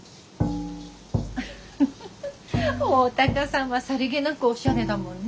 フフフ大高さんはさりげなくオシャレだもんね。